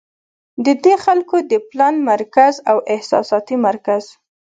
د دې خلکو د پلان مرکز او احساساتي مرکز